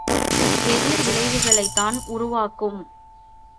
எதிர் விளைவுகளைத்தான் உருவாக்கும்.